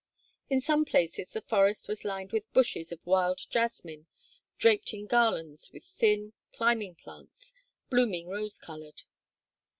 In some places the forest was lined with bushes of wild jasmine draped in garlands with thin, climbing plants, blooming rose colored.